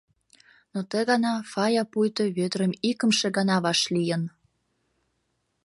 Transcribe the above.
Но ты гана Фая пуйто Вӧдырым икымше гана вашлийын.